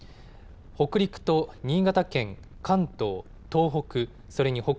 北陸と新潟県関東、東北